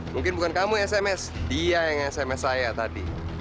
mungkin bukan kamu sms dia yang sms saya tadi